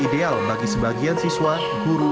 ideal bagi sebagian siswa guru